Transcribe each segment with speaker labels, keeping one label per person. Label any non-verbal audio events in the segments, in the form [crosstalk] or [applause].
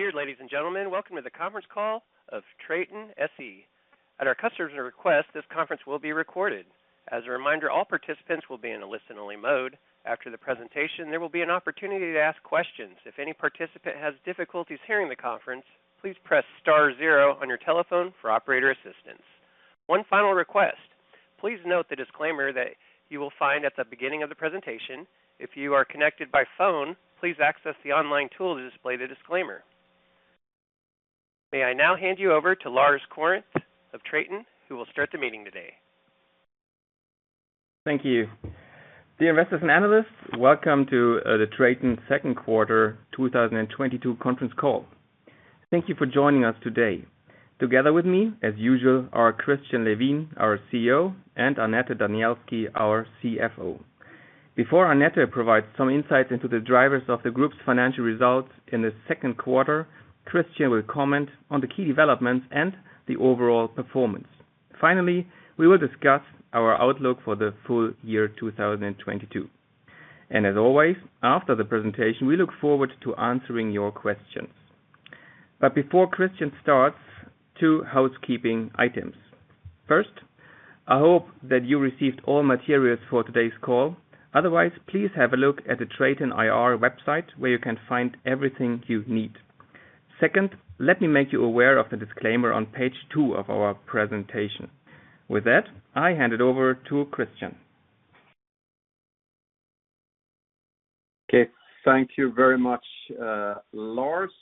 Speaker 1: Dear ladies and gentlemen, welcome to the conference call of TRATON SE. At our customer's request, this conference will be recorded. As a reminder, all participants will be in a listen-only mode. After the presentation, there will be an opportunity to ask questions. If any participant has difficulties hearing the conference, please press star zero on your telephone for operator assistance. One final request. Please note the disclaimer that you will find at the beginning of the presentation. If you are connected by phone, please access the online tool to display the disclaimer. May I now hand you over to Lars Korinth of TRATON, who will start the meeting today.
Speaker 2: Thank you. Dear investors and analysts, welcome to the TRATON Second Quarter 2022 Conference Call. Thank you for joining us today. Together with me, as usual, are Christian Levin, our CEO, and Annette Danielski, our CFO. Before Annette provides some insights into the drivers of the group's financial results in the second quarter, Christian will comment on the key developments and the overall performance. Finally, we will discuss our outlook for the full year 2022. As always, after the presentation, we look forward to answering your questions. Before Christian starts, two housekeeping items. First, I hope that you received all materials for today's call. Otherwise, please have a look at the TRATON IR website, where you can find everything you need. Second, let me make you aware of the disclaimer on page 2 of our presentation. With that, I hand it over to Christian.
Speaker 3: Okay. Thank you very much, Lars.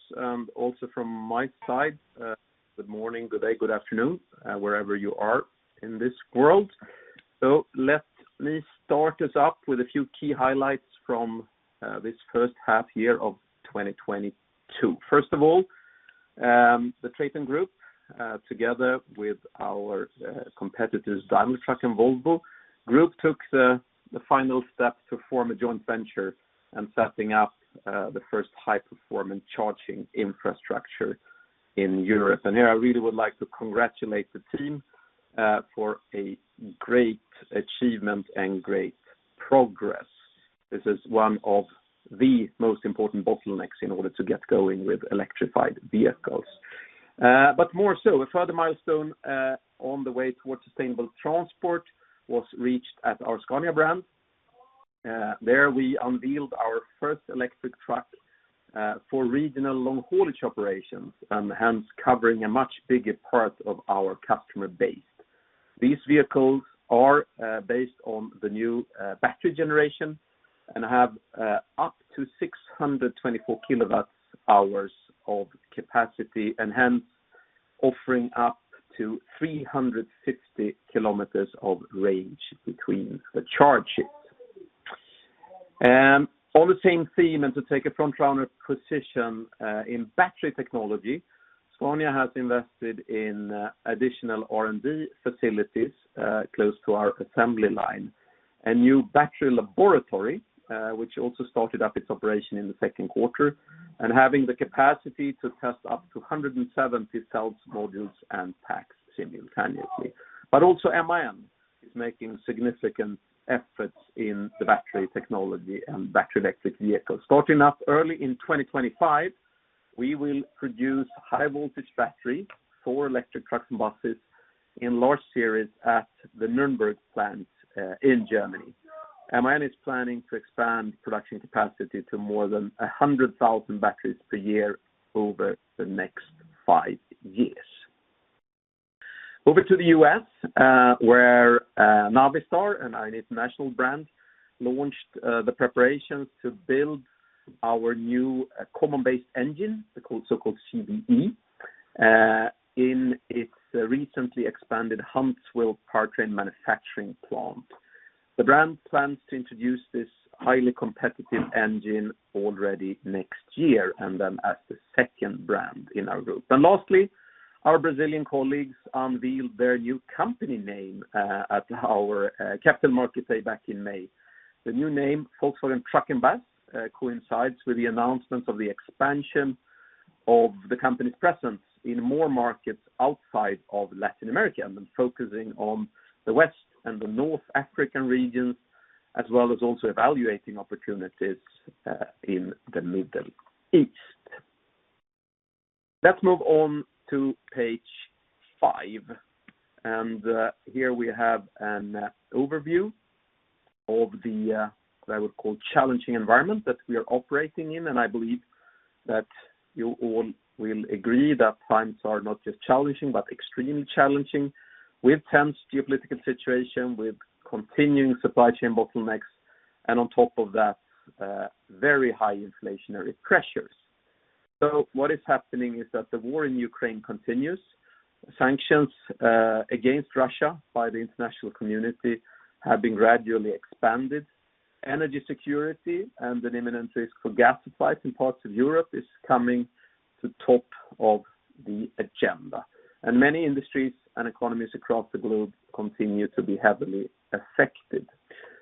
Speaker 3: Also from my side, good morning, good day, good afternoon, wherever you are in this world. Let me start us up with a few key highlights from this first half year of 2022. First of all, the TRATON GROUP, together with our competitors, Daimler Truck and Volvo Group took the final step to form a joint venture and setting up the first high-performance charging infrastructure in Europe. Here, I really would like to congratulate the team for a great achievement and great progress. This is one of the most important bottlenecks in order to get going with electrified vehicles. More so, a further milestone on the way towards sustainable transport was reached at our Scania brand. There we unveiled our first electric truck for regional long-haulage operations and hence covering a much bigger part of our customer base. These vehicles are based on the new battery generation and have up to 624 kWh of capacity and hence offering up to 350 km of range between the charge shifts. On the same theme, to take a front runner position in battery technology, Scania has invested in additional R&D facilities close to our assembly line. A new battery laboratory, which also started up its operation in the second quarter, and having the capacity to test up to 170 cells, modules, and packs simultaneously. Also, MAN is making significant efforts in the battery technology and battery electric vehicles. Starting up early in 2025, we will produce high voltage battery for electric trucks and buses in large series at the Nürnberg plant, in Germany. MAN is planning to expand production capacity to more than 100,000 batteries per year over the next five years. Over to the U.S., where Navistar and our International brand launched the preparations to build our new Common Base Engine, the so-called CBE, in its recently expanded Huntsville powertrain manufacturing plant. The brand plans to introduce this highly competitive engine already next year and then as the second brand in our group. Lastly, our Brazilian colleagues unveiled their new company name at our Capital Markets Day back in May. The new name, Volkswagen Truck & Bus, coincides with the announcement of the expansion of the company's presence in more markets outside of Latin America and then focusing on the West and the North African regions, as well as also evaluating opportunities, in the Middle East. Let's move on to page five. Here we have an overview of the what I would call challenging environment that we are operating in. I believe that you all will agree that times are not just challenging but extremely challenging with tense geopolitical situation, with continuing supply chain bottlenecks, and on top of that, very high inflationary pressures. What is happening is that the war in Ukraine continues. Sanctions against Russia by the international community have been gradually expanded. Energy security and an imminent risk for gas supplies in parts of Europe is coming to top of the agenda. Many industries and economies across the globe continue to be heavily affected.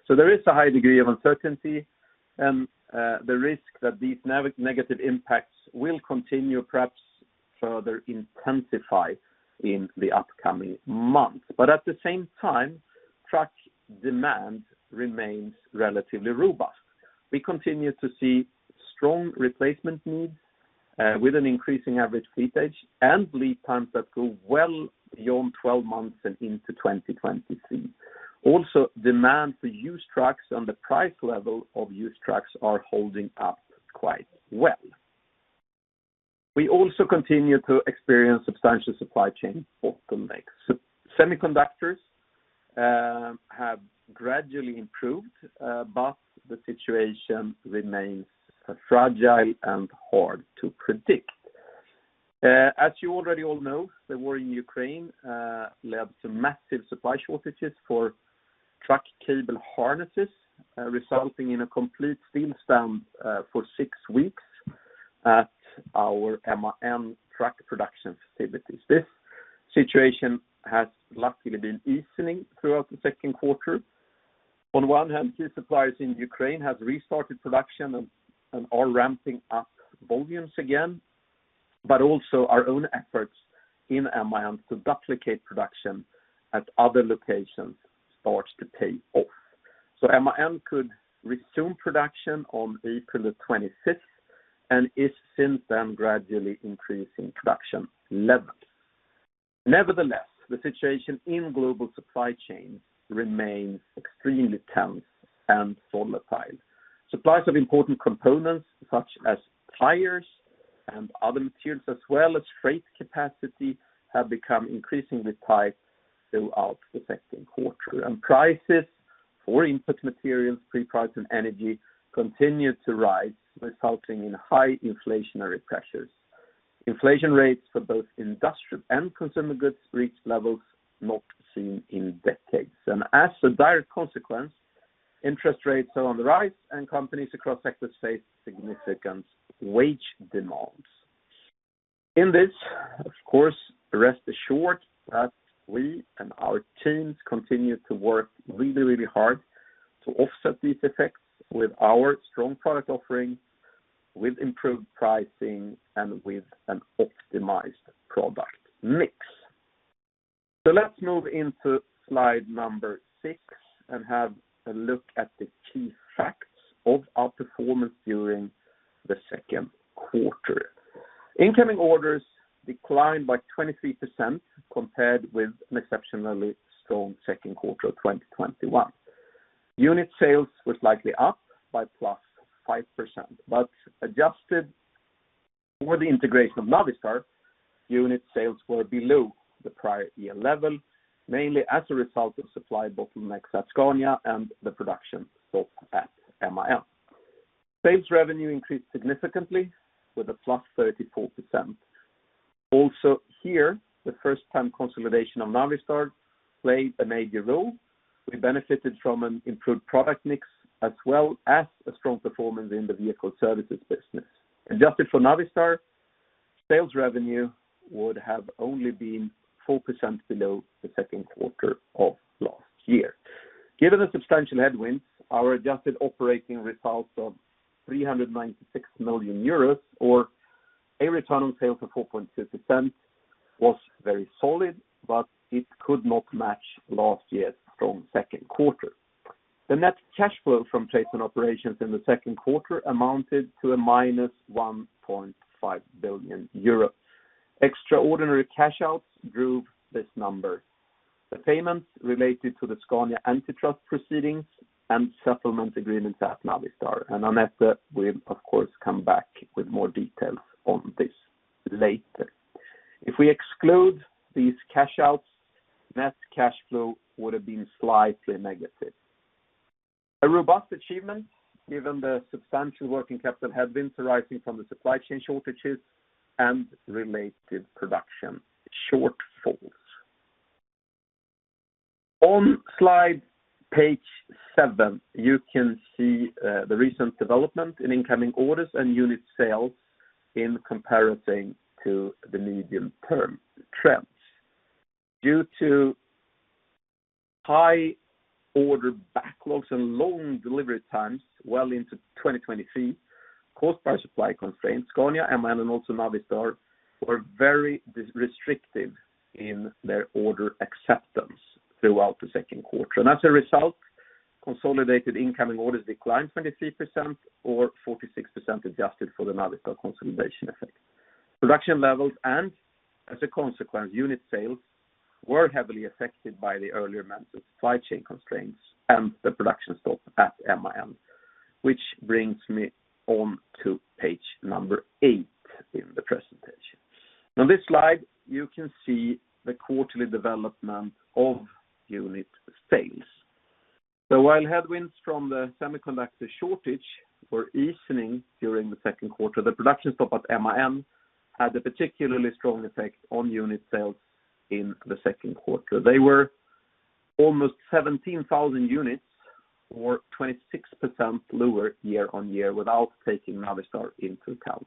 Speaker 3: There is a high degree of uncertainty and the risk that these negative impacts will continue, perhaps further intensify in the upcoming months. At the same time, truck demand remains relatively robust. We continue to see strong replacement needs with an increasing average fleet age and lead times that go well beyond 12 months and into 2023. Demand for used trucks on the price level of used trucks are holding up quite well. We also continue to experience substantial supply chain bottlenecks. Semiconductors have gradually improved but the situation remains fragile and hard to predict. As you already all know, the war in Ukraine led to massive supply shortages for truck cable harnesses, resulting in a complete standstill for six weeks at our MAN truck production facilities. This situation has luckily been easing throughout the second quarter. On one hand, the suppliers in Ukraine have restarted production and are ramping up volumes again, but also our own efforts in MAN to duplicate production at other locations starts to pay off. MAN could resume production on April 25th and is since then gradually increasing production levels. Nevertheless, the situation in global supply chains remains extremely tense and volatile. Supplies of important components such as tires and other materials, as well as freight capacity, have become increasingly tight throughout the second quarter. Prices for input materials, freight, and energy continued to rise, resulting in high inflationary pressures. Inflation rates for both industrial and consumer goods reached levels not seen in decades. As a direct consequence, interest rates are on the rise, and companies across sectors face significant wage demands. In this, of course, rest assured that we and our teams continue to work really, really hard to offset these effects with our strong product offerings, with improved pricing, and with an optimized product mix. Let's move into slide number six and have a look at the key facts of our performance during the second quarter. Incoming orders declined by 23% compared with an exceptionally strong second quarter of 2021. Unit sales was likely up by 5%+, but adjusted for the integration of Navistar, unit sales were below the prior year level, mainly as a result of supply bottlenecks at Scania and the production stop at MAN. Sales revenue increased significantly with 34%. Also here, the first-time consolidation of Navistar played a major role. We benefited from an improved product mix as well as a strong performance in the vehicle services business. Adjusted for Navistar, sales revenue would have only been 4% below the second quarter of last year. Given the substantial headwinds, our adjusted operating results of 396 million euros, or a return on sales of 4.6%, was very solid, but it could not match last year's strong second quarter. The net cash flow from trucks and operations in the second quarter amounted to -1.5 billion euro. Extraordinary cash outs drove this number. The payments related to the Scania antitrust proceedings and settlement agreements at Navistar. Annette will, of course, come back with more details on this later. If we exclude these cash outs, net cash flow would have been slightly negative. A robust achievement, given the substantial working capital headwinds arising from the supply chain shortages and related production shortfalls. On slide page seven, you can see the recent development in incoming orders and unit sales in comparison to the medium-term trends. Due to high order backlogs and long delivery times, well into 2023, caused by supply constraints, Scania, MAN, and also Navistar were very restrictive in their order acceptance throughout the second quarter. As a result, consolidated incoming orders declined 23% or 46% adjusted for the Navistar consolidation effect. Production levels and, as a consequence, unit sales were heavily affected by the earlier mentioned supply chain constraints and the production stop at MAN, which brings me on to page number eight in the presentation. On this slide, you can see the quarterly development of unit sales. While headwinds from the semiconductor shortage were easing during the second quarter, the production stop at MAN had a particularly strong effect on unit sales in the second quarter. They were almost 17,000 units or 26% lower year-on-year without taking Navistar into account.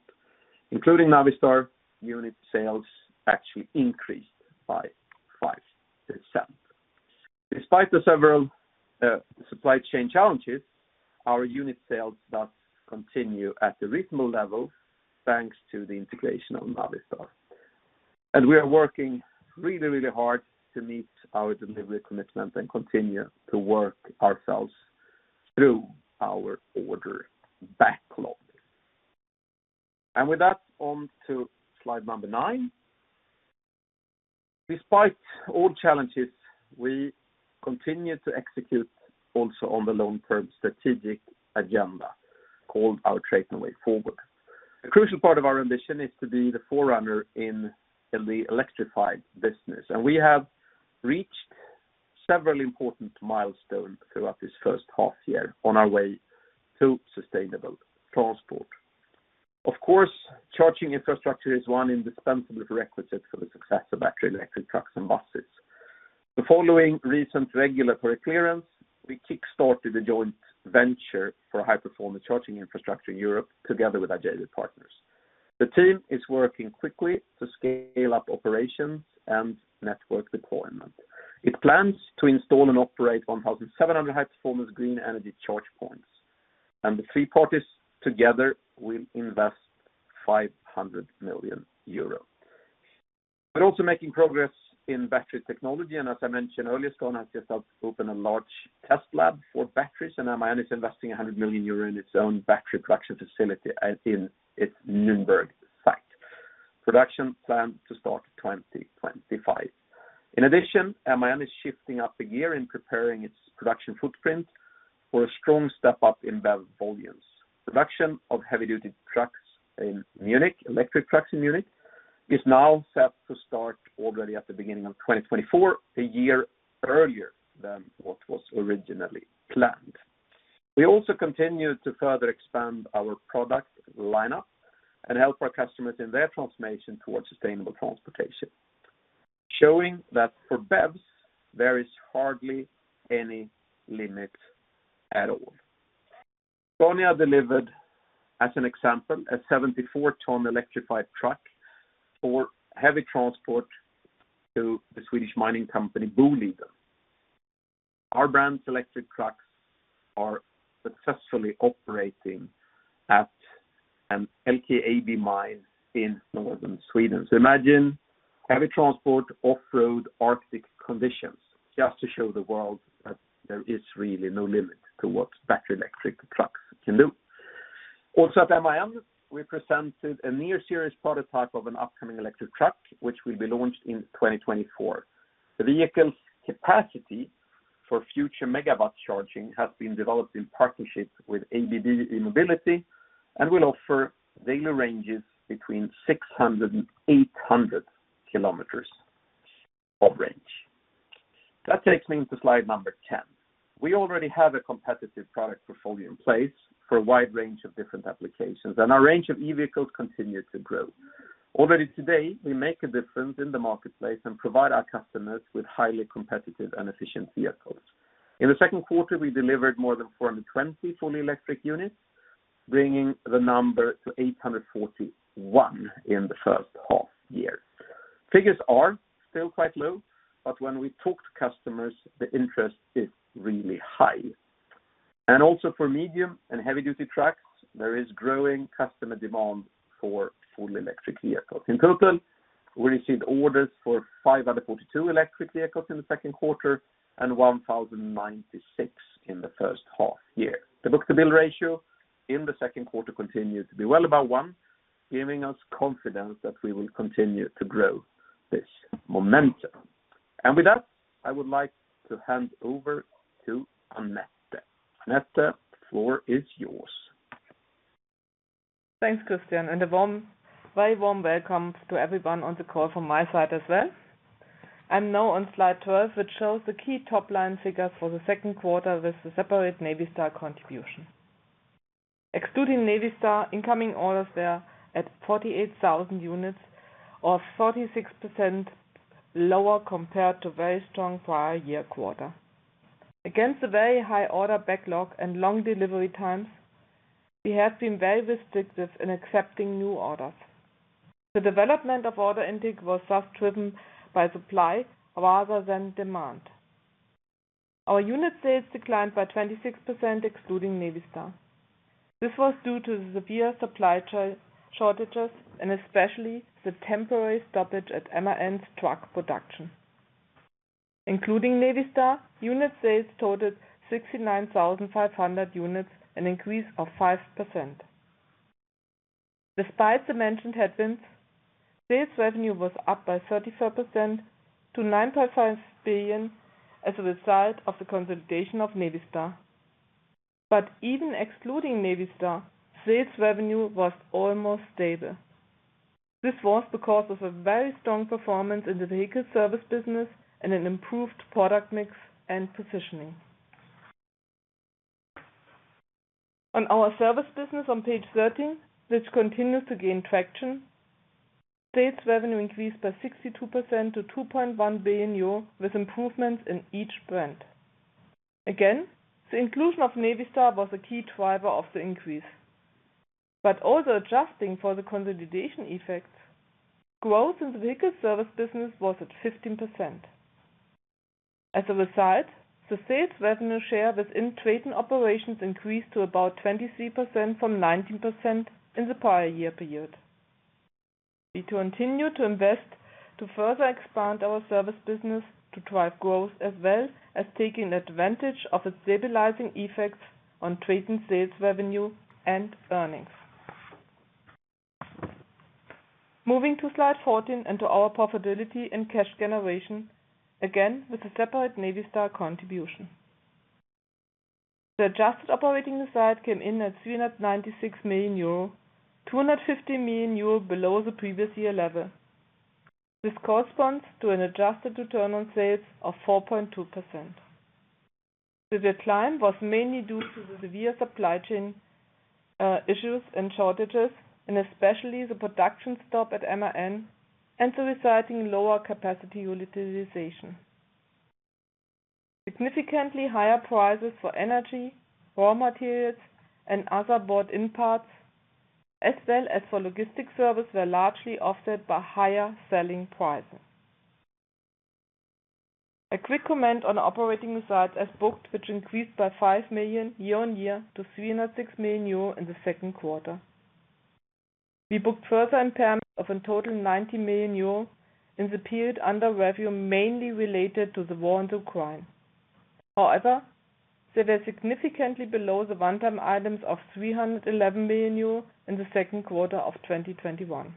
Speaker 3: Including Navistar, unit sales actually increased by. Despite the several supply chain challenges, our unit sales does continue at the regional level, thanks to the integration of Navistar. We are working really, really hard to meet our delivery commitment and continue to work ourselves through our order backlog. With that, on to slide number nine. Despite all challenges, we continue to execute also on the long-term strategic agenda, called our TRATON Way Forward. A crucial part of our ambition is to be the forerunner in the electrified business. We have reached several important milestones throughout this first half year on our way to sustainable transport. Of course, charging infrastructure is one indispensable requisite for the success of battery electric trucks and buses. Following recent regulatory clearance, we kickstart the joint venture for high-performance charging infrastructure in Europe together with our JV partners. The team is working quickly to scale up operations and network deployment. It plans to install and operate 1,700 high-performance green energy charge points, and the three parties together will invest 500 million euro. We're also making progress in battery technology, and as I mentioned earlier, Scania has just opened a large test lab for batteries, and MAN is investing 100 million euro in its own battery production facility as well as in its Nuremberg site. Production planned to start 2025. In addition, MAN is shifting up the gear in preparing its production footprint for a strong step up in BEV volumes. Production of heavy-duty trucks in Munich, electric trucks in Munich, is now set to start already at the beginning of 2024, a year earlier than what was originally planned. We also continue to further expand our product lineup and help our customers in their transformation towards sustainable transportation, showing that for BEVs, there is hardly any limit at all. Scania delivered, as an example, a 74-ton electrified truck for heavy transport to the Swedish mining company, Boliden. Our brand's electric trucks are successfully operating at an LKAB mine in northern Sweden. Imagine heavy transport off-road Arctic conditions, just to show the world that there is really no limit to what battery electric trucks can do. Also at MAN, we presented a near-series prototype of an upcoming electric truck, which will be launched in 2024. The vehicle's capacity for future megawatt charging has been developed in partnership with ABB E-mobility and will offer daily ranges between 600 and 800 km of range. That takes me to slide number 10. We already have a competitive product portfolio in place for a wide range of different applications, and our range of e-vehicles continue to grow. Already today, we make a difference in the marketplace and provide our customers with highly competitive and efficient vehicles. In the second quarter, we delivered more than 420 fully electric units, bringing the number to 841 in the first half year. Figures are still quite low, but when we talk to customers, the interest is really high. Also for medium and heavy duty trucks, there is growing customer demand for fully electric vehicles. In total, we received orders for 542 electric vehicles in the second quarter and 1,096 in the first half year. The book-to-bill ratio in the second quarter continued to be well above 1.0, giving us confidence that we will continue to grow this momentum. With that, I would like to hand over to Annette. Annette, the floor is yours.
Speaker 4: Thanks, Christian, and a warm, very warm welcome to everyone on the call from my side as well. I'm now on slide 12, which shows the key top-line figures for the second quarter with the separate Navistar contribution. Excluding Navistar, incoming orders there at 48,000 units or 36% lower compared to very strong prior year quarter. Against the very high order backlog and long delivery times, we have been very restrictive in accepting new orders. The development of order intake was thus driven by supply rather than demand. Our unit sales declined by 26%, excluding Navistar. This was due to the severe supply shortages and especially the temporary stoppage at MAN's truck production. Including Navistar, unit sales totaled 69,500 units, an increase of 5%. Despite the mentioned headwinds, sales revenue was up by 34% to 9.5 billion as a result of the consolidation of Navistar. Even excluding Navistar, sales revenue was almost stable. This was because of a very strong performance in the vehicle service business and an improved product mix and positioning. On our service business on page 13, which continues to gain traction, sales revenue increased by 62% to 2.1 billion euro, with improvements in each brand. Again, the inclusion of Navistar was a key driver of the increase. Also adjusting for the consolidation effects, growth in the vehicle service business was at 15%. As a result, the sales revenue share within TRATON Operations increased to about 23% from 19% in the prior year period. We continue to invest to further expand our service business to drive growth, as well as taking advantage of the stabilizing effects on TRATON sales revenue and earnings. Moving to slide 14 and to our profitability and cash generation, again, with a separate Navistar contribution. The adjusted operating result came in at 396 million euro, 250 million euro below the previous year level. This corresponds to an adjusted return on sales of 4.2%. The decline was mainly due to the severe supply chain issues and shortages, and especially the production stop at MAN and the resulting lower capacity utilization. Significantly higher prices for energy, raw materials, and other bought in parts, as well as for logistic service, were largely offset by higher selling prices. A quick comment on operating results as booked, which increased by 5 million year-on-year to 306 million euro in the second quarter. We booked further impairment of a total 90 million euro in the period under review, mainly related to the war in Ukraine. However, they were significantly below the one-time items of 311 million euro in the second quarter of 2021.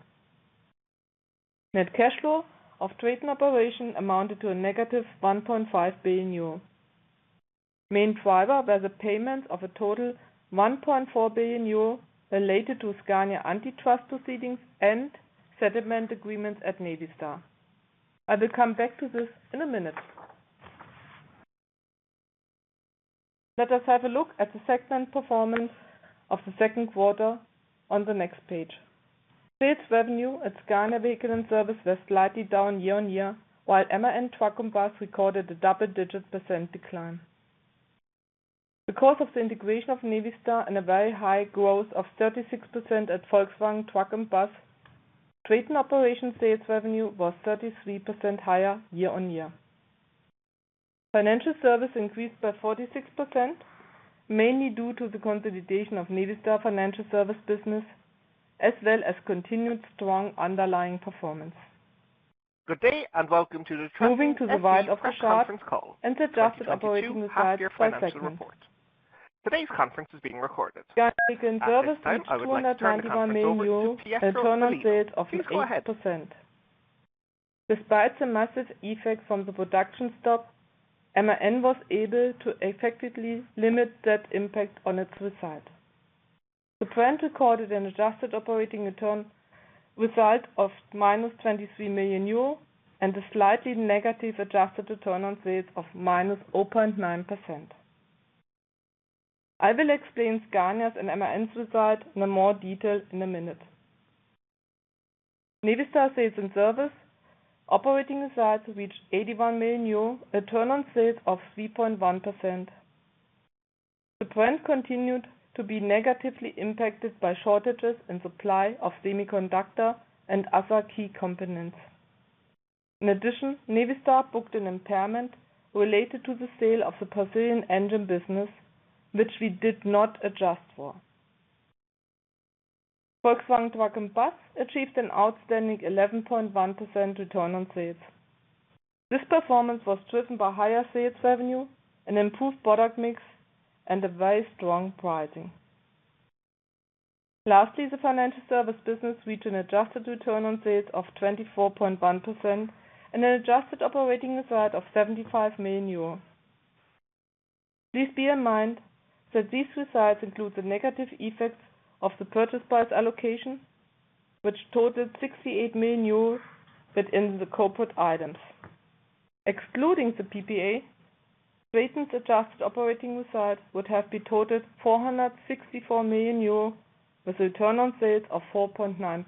Speaker 4: Net cash flow of TRATON Operations amounted to -1.5 billion euro. Main driver were the payments of a total 1.4 billion euro related to Scania antitrust proceedings and settlement agreements at Navistar. I will come back to this in a minute. Let us have a look at the segment performance of the second quarter on the next page. Sales revenue at Scania Vehicles & Services were slightly down year-over-year, while MAN Truck & Bus recorded a double-digit percent decline. Because of the integration of Navistar and a very high growth of 36% at Volkswagen Truck & Bus, TRATON Operations sales revenue was 33% higher year-over-year. Financial Services increased by 46%, mainly due to the consolidation of Navistar Financial Services business, as well as continued strong underlying performance.
Speaker 1: [crosstalk]
Speaker 4: Scania Vehicles & Services reached EUR 291 million, a return on sales of 8%. Despite the massive effect from the production stop, MAN was able to effectively limit that impact on its result. The brand recorded an adjusted operating return result of -23 million euro and a slightly negative adjusted return on sales of -0.9%. I will explain Scania's and MAN's result in more detail in a minute. Navistar Sales & Services operating results reached 81 million, a return on sales of 3.1%. The brand continued to be negatively impacted by shortages in supply of semiconductor and other key components. In addition, Navistar booked an impairment related to the sale of the Brazilian engine business, which we did not adjust for. Volkswagen Truck & Bus achieved an outstanding 11.1% return on sales. This performance was driven by higher sales revenue, an improved product mix, and a very strong pricing. Lastly, the financial service business reached an adjusted return on sales of 24.1% and an adjusted operating result of 75 million euros. Please bear in mind that these results include the negative effects of the purchase price allocation, which totaled 68 million euros within the corporate items. Excluding the PPA, TRATON's adjusted operating results would have totaled 464 million euro with a return on sales of 4.9%.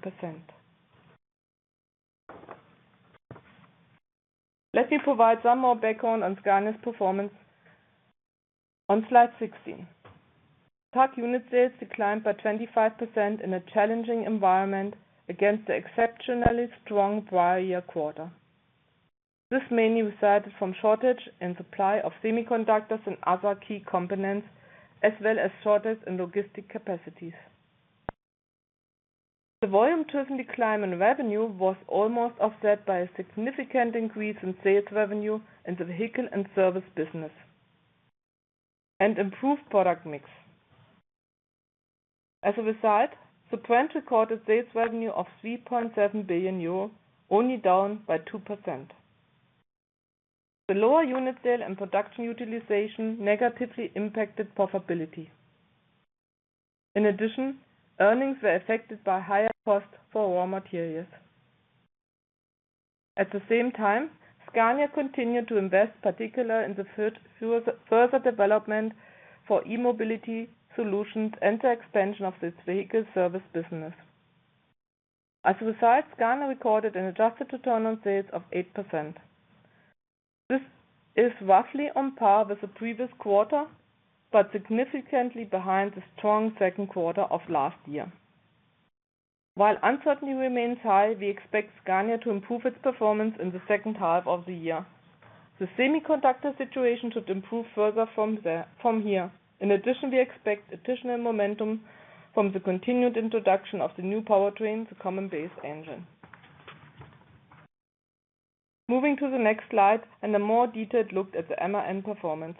Speaker 4: Let me provide some more background on Scania's performance on slide 16. Truck unit sales declined by 25% in a challenging environment against the exceptionally strong prior year quarter. This mainly resulted from shortage in supply of semiconductors and other key components, as well as shortage in logistic capacities. The volume-driven decline in revenue was almost offset by a significant increase in sales revenue in the vehicle and service business and improved product mix. As a result, the brand recorded sales revenue of 3.7 billion euro, only down by 2%. The lower unit sale and production utilization negatively impacted profitability. In addition, earnings were affected by higher costs for raw materials. At the same time, Scania continued to invest, particularly in the further development for e-mobility solutions and the expansion of this vehicle service business. As a result, Scania recorded an adjusted return on sales of 8%. This is roughly on par with the previous quarter, but significantly behind the strong second quarter of last year. While uncertainty remains high, we expect Scania to improve its performance in the second half of the year. The semiconductor situation should improve further from here. In addition, we expect additional momentum from the continued introduction of the new powertrain, the Common Base Engine. Moving to the next slide, a more detailed look at the MAN performance.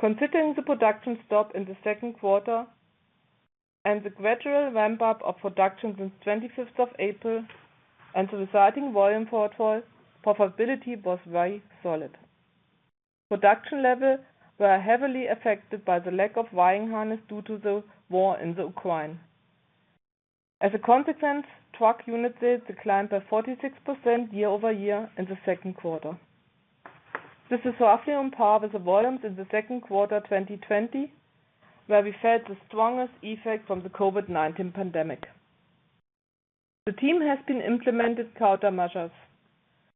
Speaker 4: Considering the production stop in the second quarter and the gradual ramp-up of production since 25th of April and the resulting volume portfolio, profitability was very solid. Production levels were heavily affected by the lack of wiring harness due to the war in the Ukraine. As a consequence, truck unit sales declined by 46% year-over-year in the second quarter. This is roughly on par with the volumes in the second quarter of 2020, where we felt the strongest effect from the COVID-19 pandemic. The team has implemented countermeasures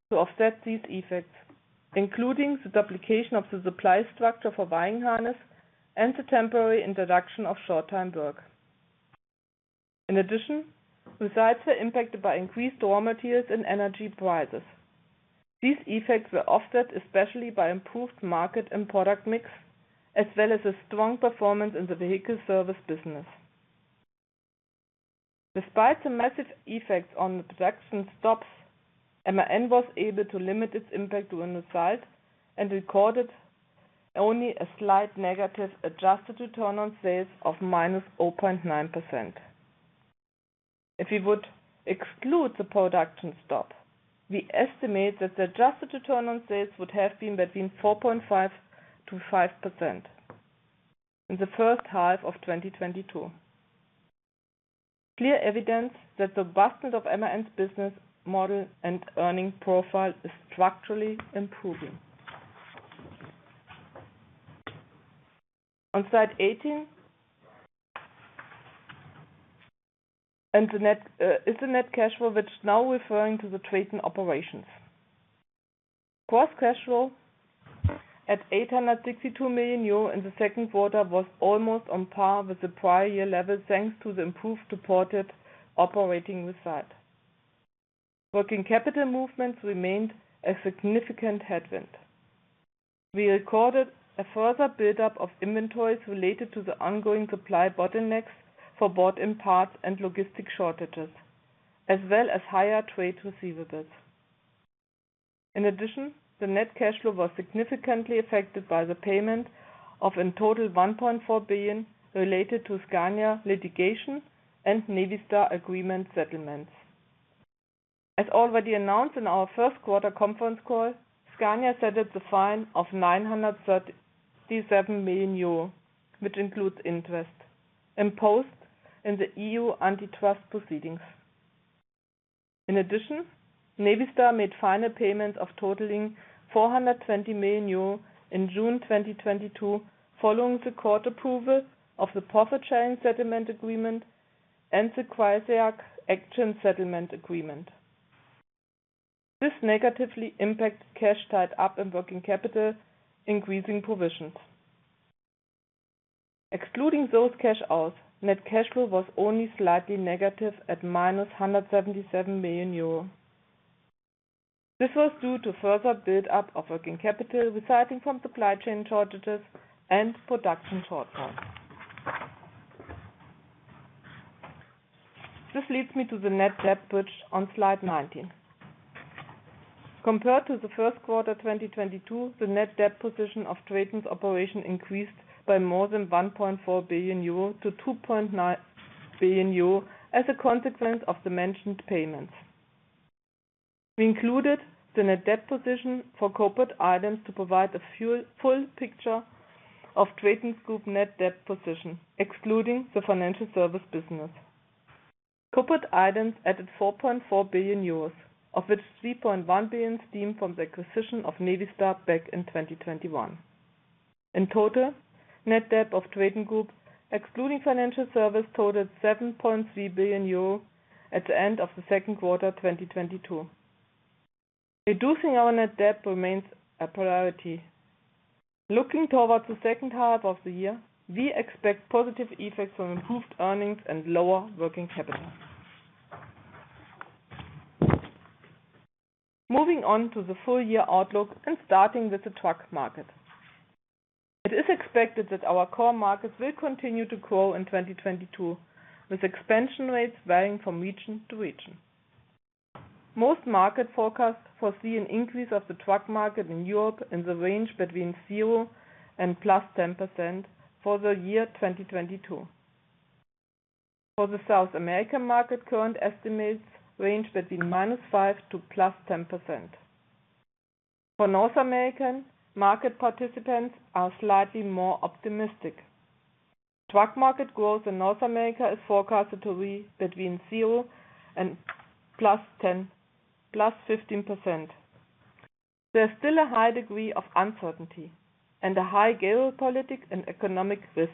Speaker 4: to offset these effects, including the duplication of the supply structure for wiring harness and the temporary introduction of short time work. In addition, results are impacted by increased raw materials and energy prices. These effects were offset especially by improved market and product mix, as well as a strong performance in the vehicle service business. Despite the massive effects on the production stops, MAN was able to limit its impact to one site and recorded only a slight negative adjusted return on sales of -0.9%. If you would exclude the production stop, we estimate that the adjusted return on sales would have been between 4.5%-5% in the first half of 2022. Clear evidence that the robustness of MAN's business model and earning profile is structurally improving. On slide 18, and then the net is the net cash flow, which is now referring to the TRATON Operations. Gross cash flow at 862 million euro in the second quarter was almost on par with the prior year level, thanks to the improved reported operating result. Working capital movements remained a significant headwind. We recorded a further build-up of inventories related to the ongoing supply bottlenecks for bought in parts and logistics shortages, as well as higher trade receivables. In addition, the net cash flow was significantly affected by the payment of in total 1.4 billion related to Scania litigation and Navistar agreement settlements. As already announced in our first quarter conference call, Scania settled the fine of 937 million euro, which includes interest, imposed in the EU antitrust proceedings. Navistar made final payments totaling 420 million euro in June 2022 following the court approval of the Profit Sharing Settlement Agreement and the class action settlement agreement. This negatively impacts cash tied up in working capital, increasing provisions. Excluding those cash outs, net cash flow was only slightly negative at -177 million euro. This was due to further build-up of working capital resulting from supply chain shortages and production shortfall. This leads me to the net debt bridge on slide 19. Compared to the first quarter of 2022, the net debt position of TRATON Operations increased by more than 1.4 billion euro to 2.9 billion euro as a consequence of the mentioned payments. We included the net debt position for corporate items to provide a full picture of TRATON GROUP net debt position, excluding the financial service business. Corporate items added 4.4 billion euros, of which 3.1 billion stem from the acquisition of Navistar back in 2021. In total, net debt of TRATON GROUP, excluding financial service, totaled 7.3 billion euro at the end of the second quarter of 2022. Reducing our net debt remains a priority. Looking towards the second half of the year, we expect positive effects from improved earnings and lower working capital. Moving on to the full year outlook and starting with the truck market. It is expected that our core markets will continue to grow in 2022, with expansion rates varying from region to region. Most market forecasts foresee an increase of the truck market in Europe in the range between 0% and +10% for the year 2022. For the South American market, current estimates range between -5% to +10%. For North America, market participants are slightly more optimistic. Truck market growth in North America is forecasted to be between 0% and +15%. There's still a high degree of uncertainty and a high geopolitical and economic risks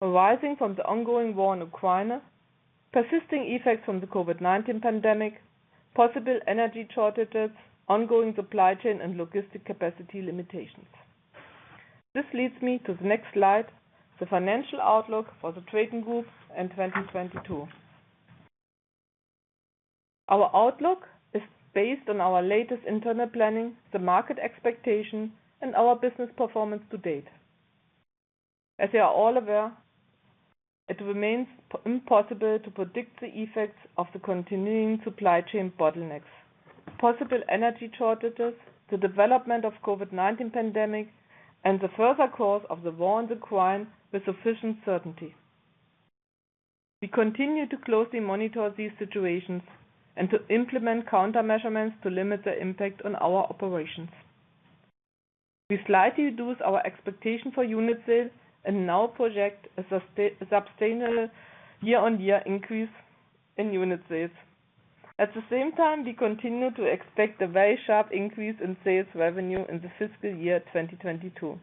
Speaker 4: arising from the ongoing war in Ukraine, persisting effects from the COVID-19 pandemic, possible energy shortages, ongoing supply chain, and logistic capacity limitations. This leads me to the next slide, the financial outlook for the TRATON GROUP in 2022. Our outlook is based on our latest internal planning, the market expectation, and our business performance to date. As you are all aware, it remains impossible to predict the effects of the continuing supply chain bottlenecks, possible energy shortages, the development of COVID-19 pandemic, and the further course of the war in Ukraine with sufficient certainty. We continue to closely monitor these situations and to implement countermeasures to limit the impact on our operations. We slightly reduce our expectation for unit sales and now project a substantial year-on-year increase in unit sales. At the same time, we continue to expect a very sharp increase in sales revenue in the fiscal year 2022.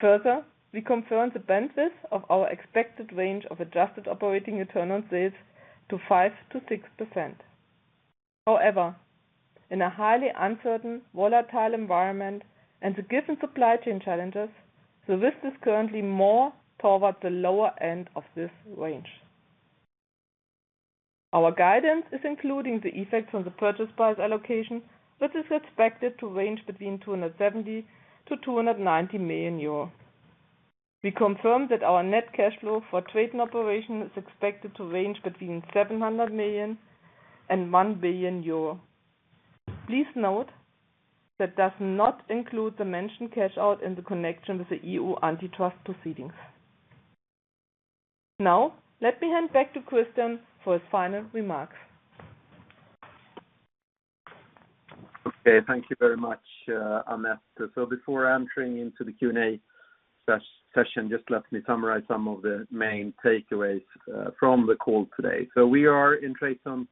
Speaker 4: Further, we confirm the bandwidth of our expected range of adjusted operating return on sales to 5%-6%. However, in a highly uncertain volatile environment and the given supply chain challenges, the risk is currently more toward the lower end of this range. Our guidance is including the effects on the purchase price allocation, which is expected to range between 270 million-290 million euros. We confirm that our net cash flow for TRATON Operations is expected to range between 700 million and 1 billion euro. Please note that does not include the mentioned cash out in connection with the EU antitrust proceedings. Now let me hand back to Christian for his final remarks.
Speaker 3: Okay. Thank you very much, Annette. Before entering into the Q&A session, just let me summarize some of the main takeaways from the call today. We are in TRATON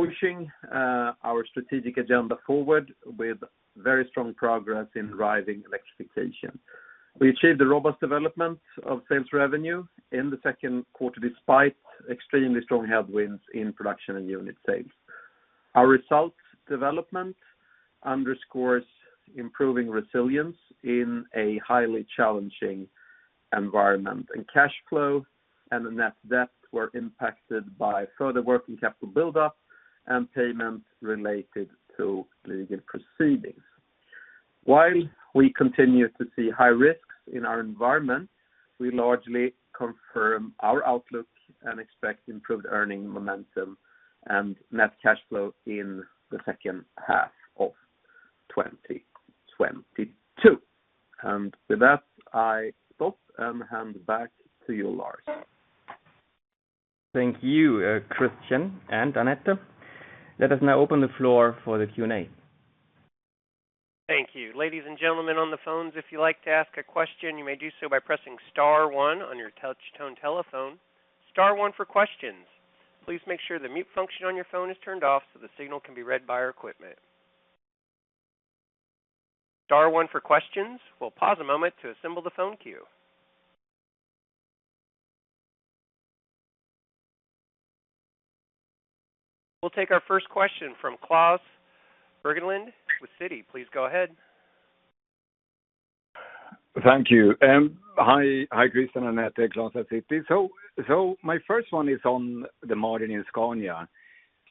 Speaker 3: pushing our strategic agenda forward with very strong progress in driving electrification. We achieved a robust development of sales revenue in the second quarter, despite extremely strong headwinds in production and unit sales. Our results development underscores improving resilience in a highly challenging environment. Cash flow and the net debt were impacted by further working capital build-up and payments related to legal proceedings. While we continue to see high risks in our environment, we largely confirm our outlook and expect improved earning momentum and net cash flow in the second half of 2022. With that, I stop and hand back to you, Lars.
Speaker 2: Thank you, Christian and Annette. Let us now open the floor for the Q&A.
Speaker 1: Thank you. Ladies and gentlemen on the phones, if you'd like to ask a question, you may do so by pressing star one on your touchtone telephone. Star one for questions. Please make sure the mute function on your phone is turned off so the signal can be read by our equipment. Star one for questions. We'll pause a moment to assemble the phone queue. We'll take our first question from Klas Bergelind with Citi. Please go ahead.
Speaker 5: Thank you. Hi, Christian and Annette. Klas at Citi. My first one is on the margin in Scania.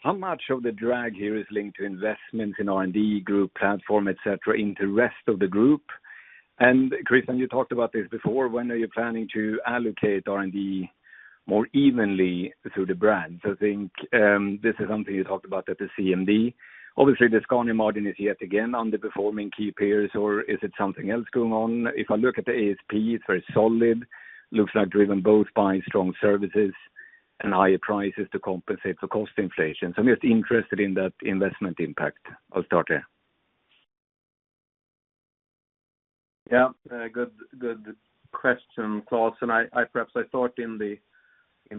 Speaker 5: How much of the drag here is linked to investments in R&D group platform, et cetera, into rest of the group? Christian, you talked about this before. When are you planning to allocate R&D more evenly through the brands? I think, this is something you talked about at the CMD. Obviously, the Scania margin is yet again underperforming key peers, or is it something else going on? If I look at the ASP, it's very solid. Looks like driven both by strong services and higher prices to compensate for cost inflation. I'm just interested in that investment impact. I'll start there.
Speaker 3: Yeah. Good question, Klas, and I perhaps thought in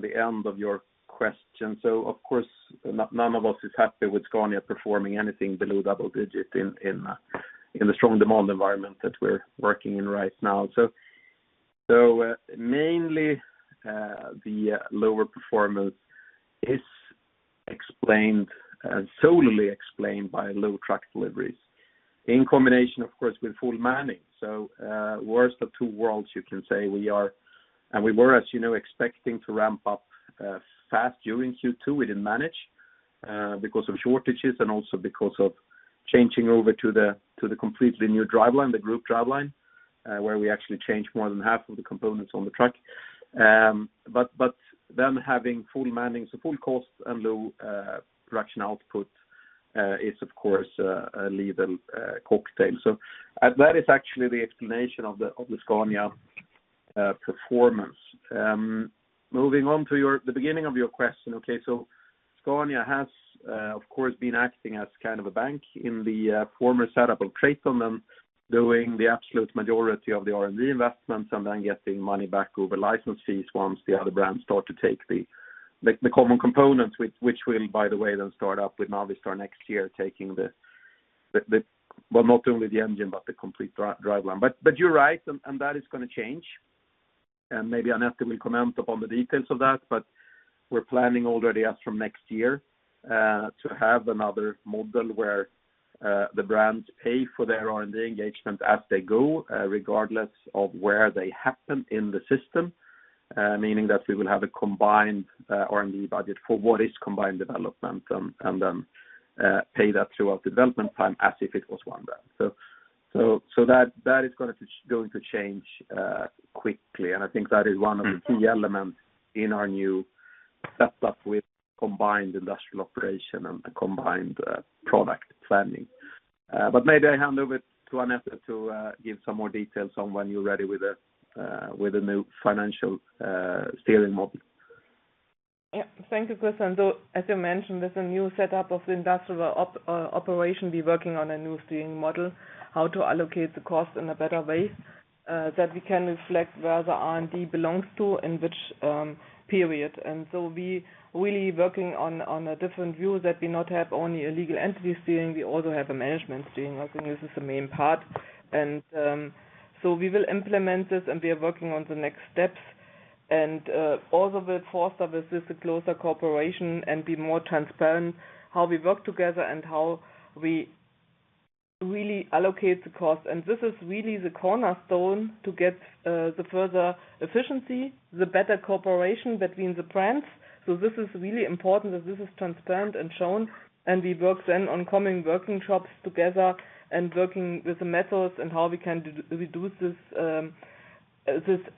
Speaker 3: the end of your question. Of course, none of us is happy with Scania performing anything below double digits in the strong demand environment that we're working in right now. Mainly the lower performance is explained and solely explained by low truck deliveries. In combination, of course, with full manning. Worst of two worlds, you can say. We are, and we were, as you know, expecting to ramp up fast during Q2. We didn't manage because of shortages and also because of changing over to the completely new driveline, the group driveline, where we actually changed more than half of the components on the truck. Having full manning, so full costs and low production output is of course a lethal cocktail. That is actually the explanation of the Scania performance. Moving on to the beginning of your question. Okay. Scania has of course been acting as kind of a bank in the former setup of TRATON and doing the absolute majority of the R&D investments and then getting money back over license fees once the other brands start to take the common components which will by the way then start up with Navistar next year. Well, not only the engine but the complete driveline. You're right, and that is gonna change. Maybe Annette can comment upon the details of that, but we're planning already as from next year to have another model where the brands pay for their R&D engagement as they go, regardless of where they happen in the system. Meaning that we will have a combined R&D budget for what is combined development and then pay that throughout development time as if it was one brand. That is going to change quickly. I think that is one of the key elements in our new setup with combined industrial operation and the combined product planning. But maybe I hand over to Annette to give some more details on when you're ready with the new financial steering model.
Speaker 4: Yeah. Thank you, Christian. As you mentioned, with the new setup of the industrial operation, we working on a new steering model, how to allocate the cost in a better way, that we can reflect where the R&D belongs to in which period. We're really working on a different view that we not have only a legal entity steering, we also have a management steering. I think this is the main part. We will implement this, and we are working on the next steps. We also will foster this closer cooperation and be more transparent how we work together and how we really allocate the cost. This is really the cornerstone to get the further efficiency, the better cooperation between the brands. This is really important that this is transparent and shown, and we work then on coming workshops together and working with the methods and how we can reduce this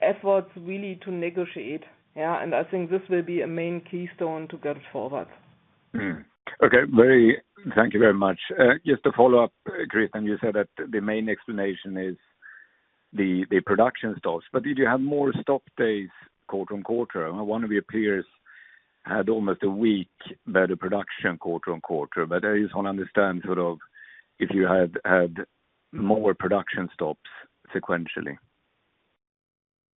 Speaker 4: efforts really to negotiate. Yeah. I think this will be a main keystone to go forward.
Speaker 5: Thank you very much. Just a follow-up, Christian. You said that the main explanation is the production stops. Did you have more stop days quarter-over-quarter? One of your peers had almost a week better production quarter-over-quarter. I just want to understand sort of, if you had more production stops sequentially.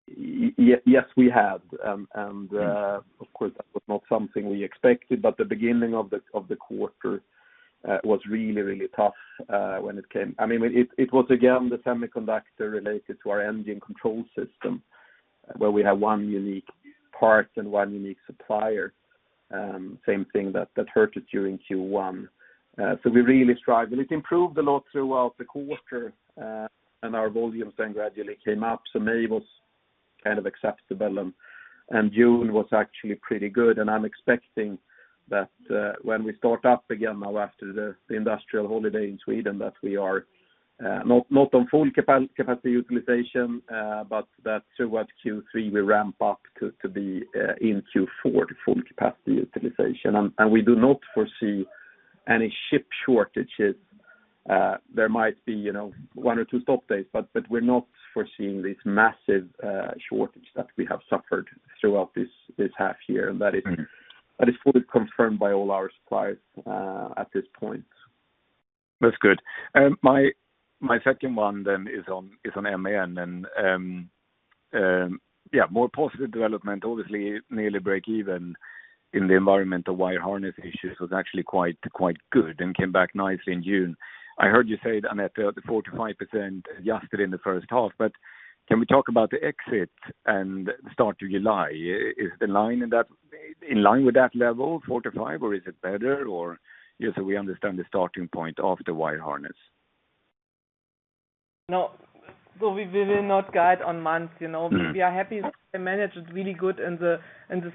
Speaker 3: Yes, we had. Of course that was not something we expected, but the beginning of the quarter was really tough when it came. I mean, it was again the semiconductor related to our engine control system, where we have one unique part and one unique supplier. Same thing that hurt us during Q1. We really strive, and it improved a lot throughout the quarter, and our volumes then gradually came up. May was kind of acceptable, and June was actually pretty good. I'm expecting that when we start up again now after the industrial holiday in Sweden, that we are not on full capacity utilization, but that throughout Q3 we ramp up to be in Q4 to full capacity utilization. We do not foresee any chip shortages. There might be, you know, one or two stop days, but we're not foreseeing this massive shortage that we have suffered throughout this half year. That is-
Speaker 5: Mm-hmm....
Speaker 3: That is fully confirmed by all our suppliers at this point.
Speaker 5: That's good. My second one then is on MAN. Yeah, more positive development, obviously nearly break even in the environment of wire harness issues was actually quite good and came back nicely in June. I heard you say, Annette, the 4%-5% adjusted in the first half, but can we talk about the exit and the start of July? Is the line in line with that level, 4%-5%, or is it better? Or just so we understand the starting point of the wire harness.
Speaker 4: No. We will not guide on months, you know.
Speaker 5: Mm-hmm.
Speaker 4: We are happy they managed really good in the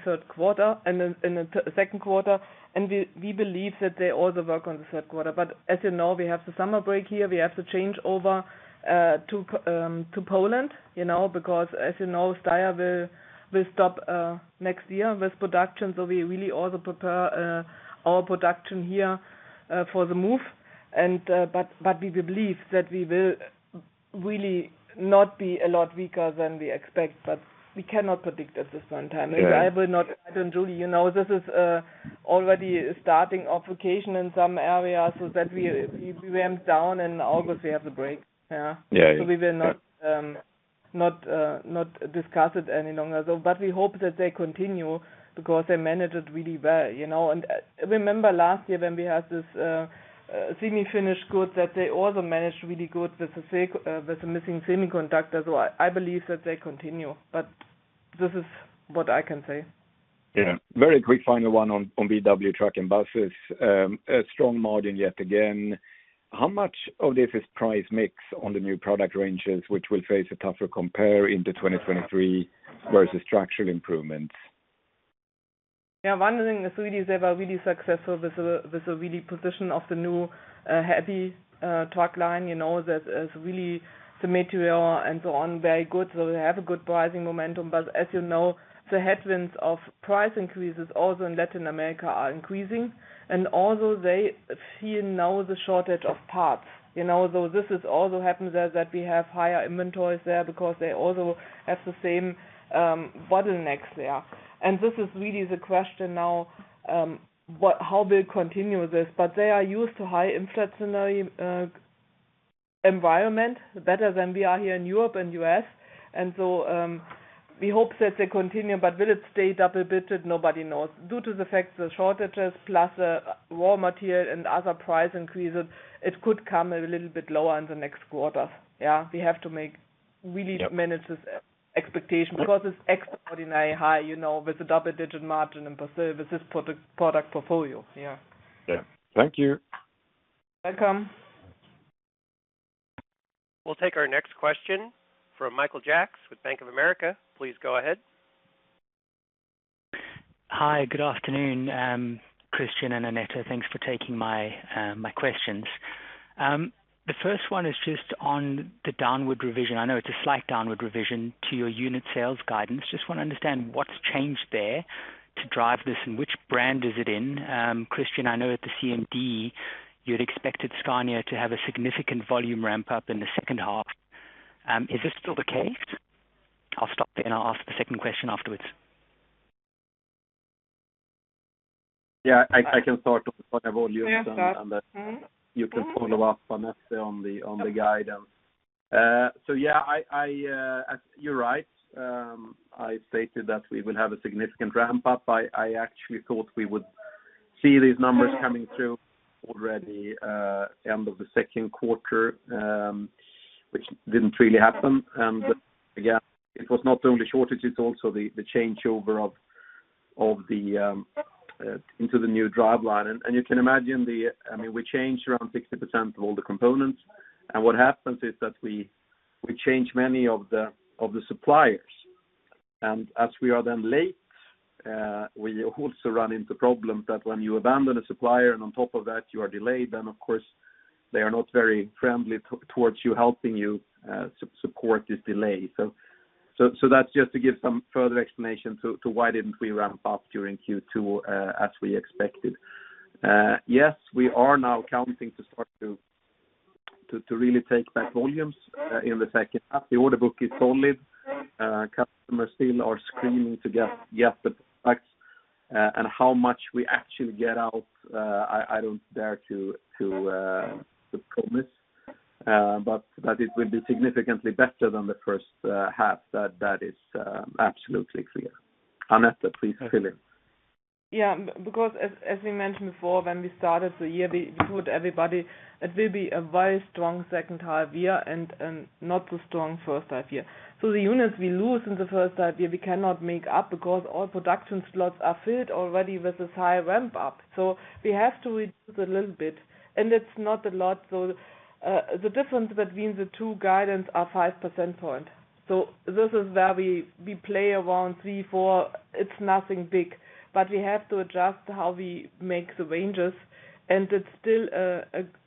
Speaker 4: third quarter and in the second quarter, and we believe that they also work on the third quarter. We have the summer break here. We have to change over to Poland, you know, because as you know, Steyr will stop next year with production. We really also prepare our production here for the move. We believe that we will really not be a lot weaker than we expect, but we cannot predict at this point in time.
Speaker 5: Yeah.
Speaker 4: I will not, you know, this is already starting off vacation in some areas, so that we ramp down, in August we have the break. Yeah.
Speaker 5: Yeah. Yeah.
Speaker 4: We will not discuss it any longer. We hope that they continue because they managed it really well, you know. Remember last year when we had this semi-finished good that they also managed really good with the missing semiconductors. I believe that they continue, but this is what I can say.
Speaker 5: Yeah. Very quick final one on Volkswagen Truck & Bus. A strong margin yet again. How much of this is price mix on the new product ranges, which will face a tougher compare into 2023 versus structural improvements?
Speaker 4: Yeah. One thing, the Swedish, they were really successful with the really position of the new heavy truck line, you know, that is really the material and so on, very good. They have a good pricing momentum. As you know, the headwinds of price increases also in Latin America are increasing. They feel now the shortage of parts. You know, this is also happened there that we have higher inventories there because they also have the same bottlenecks there. This is really the question now, how they continue this, but they are used to high inflationary environment better than we are here in Europe and U.S. We hope that they continue, but will it stay double digit? Nobody knows. Due to the fact the shortages plus raw material and other price increases, it could come a little bit lower in the next quarter. Yeah, we have to really manage this expectation because it's extraordinary high, you know, with the double-digit margin and services product portfolio. Yeah.
Speaker 5: Yeah. Thank you.
Speaker 4: Welcome.
Speaker 1: We'll take our next question from Michael Jacks with Bank of America. Please go ahead.
Speaker 6: Hi. Good afternoon, Christian and Annette. Thanks for taking my questions. The first one is just on the downward revision. I know it's a slight downward revision to your unit sales guidance. Just wanna understand what's changed there to drive this, and which brand is it in? Christian, I know at the CMD, you'd expected Scania to have a significant volume ramp up in the second half. Is this still the case? I'll stop there, and I'll ask the second question afterwards.
Speaker 3: Yeah, I can start on the volume.
Speaker 4: Yeah.
Speaker 3: You can follow up, Annette, on the guidance. You're right. I stated that we will have a significant ramp up. I actually thought we would see these numbers coming through already end of the second quarter, which didn't really happen. Again, it was not only shortages, also the changeover of the into the new driveline. You can imagine the, I mean, we changed around 60% of all the components, and what happens is that we change many of the suppliers. As we are then late, we also run into problems that when you abandon a supplier and on top of that you are delayed, then of course they are not very friendly towards you, helping you, support this delay. That's just to give some further explanation to why didn't we ramp up during Q2, as we expected. Yes, we are now counting to start to really take back volumes in the second half. The order book is solid. Customers still are screaming to get the products. How much we actually get out, I don't dare to promise, but that it will be significantly better than the first half. That is absolutely clear. Annette, please fill in.
Speaker 4: Yeah. Because as we mentioned before, when we started the year, we told everybody it will be a very strong second half year and not too strong first half year. The units we lose in the first half year we cannot make up because all production slots are filled already with this high ramp up. We have to reduce a little bit, and it's not a lot. The difference between the two guidance are five percentage points. This is where we play around three, four. It's nothing big, but we have to adjust how we make the ranges, and it's still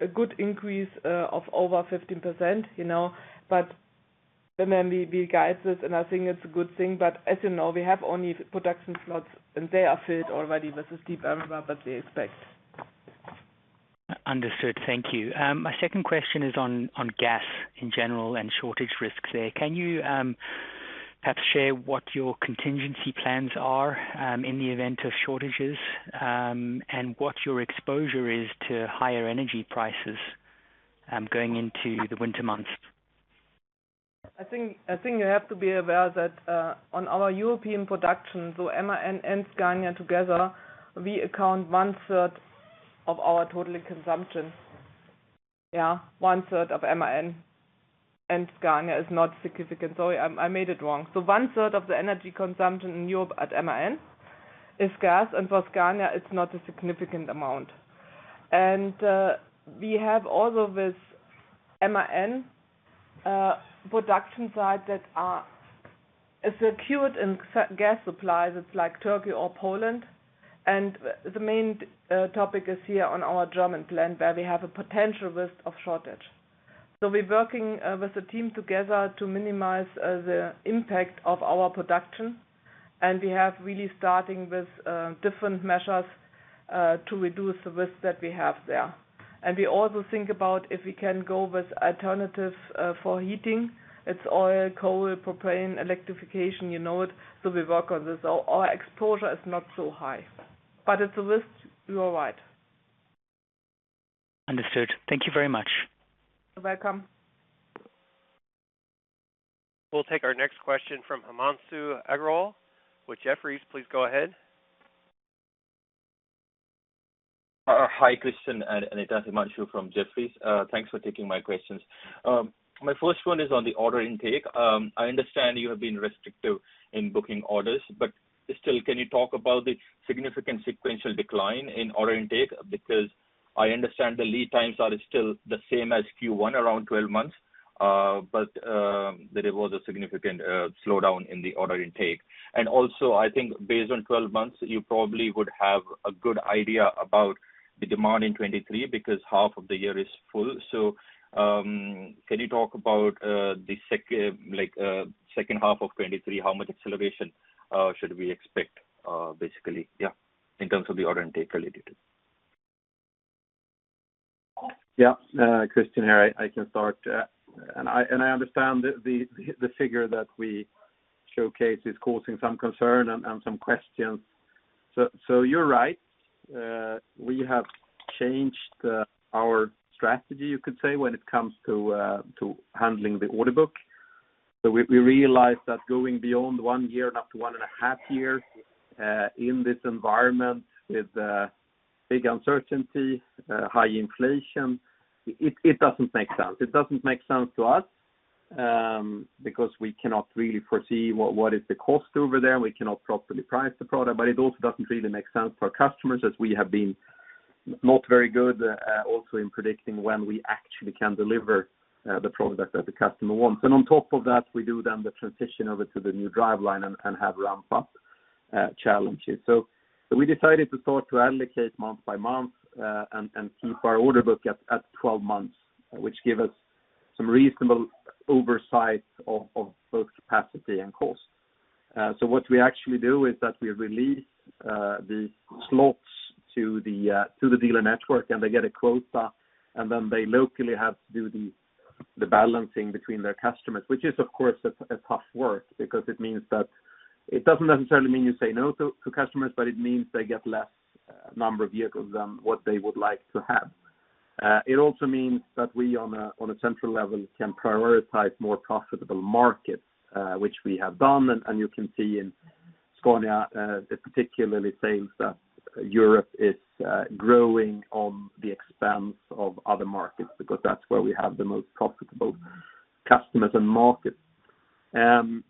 Speaker 4: a good increase of over 15%, you know. We guide this, and I think it's a good thing, but as you know, we have only production slots, and they are filled already with this deep ramp up that we expect.
Speaker 6: Understood. Thank you. My second question is on gas in general and shortage risks there. Can you perhaps share what your contingency plans are in the event of shortages and what your exposure is to higher energy prices going into the winter months?
Speaker 4: I think you have to be aware that on our European production, so MAN and Scania together, we account for 1/3 of our total consumption. One-third of MAN, and Scania is not significant. Sorry, I made it wrong. One-third of the energy consumption in Europe at MAN is gas, and for Scania it's not a significant amount. We have also with MAN production sites that are secured in gas supplies. It's like Turkey or Poland. The main topic is here on our German plant where we have a potential risk of shortage. We're working with the team together to minimize the impact of our production. We have really starting with different measures to reduce the risk that we have there. We also think about if we can go with alternative for heating. It's oil, coal, propane, electrification, you know it. We work on this. Our exposure is not so high, but it's a risk. You are right.
Speaker 6: Understood. Thank you very much.
Speaker 4: You're welcome.
Speaker 1: We'll take our next question from Himanshu Agarwal with Jefferies. Please go ahead.
Speaker 7: Hi, Christian and Annette. Himanshu from Jefferies. Thanks for taking my questions. My first one is on the order intake. I understand you have been restrictive in booking orders, but still, can you talk about the significant sequential decline in order intake? Because I understand the lead times are still the same as Q1, around 12 months. There was a significant slowdown in the order intake. Also, I think based on 12 months, you probably would have a good idea about the demand in 2023 because half of the year is full. Can you talk about the second half of 2023? How much acceleration should we expect in terms of the order intake related?
Speaker 3: Christian here. I can start. I understand the figure that we showcase is causing some concern and some questions. You're right. We have changed our strategy, you could say, when it comes to handling the order book. We realized that going beyond one year and up to one and a half years in this environment with big uncertainty, high inflation, it doesn't make sense. It doesn't make sense to us, because we cannot really foresee what is the cost over there, and we cannot properly price the product. It also doesn't really make sense for our customers, as we have been not very good also in predicting when we actually can deliver the product that the customer wants. On top of that, we do then the transition over to the new driveline and have ramp-up challenges. We decided to start to allocate month by month, and keep our order book at 12 months, which give us some reasonable oversight of both capacity and cost. What we actually do is that we release the slots to the dealer network, and they get a quota, and then they locally have to do the balancing between their customers, which is, of course, a tough work because it means that it doesn't necessarily mean you say no to customers, but it means they get less number of vehicles than what they would like to have. It also means that we on a central level can prioritize more profitable markets, which we have done. You can see in Scania, it particularly saying that Europe is growing at the expense of other markets because that's where we have the most profitable customers and markets. I mean,